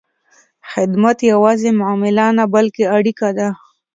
خدمت یوازې معامله نه، بلکې اړیکه ده.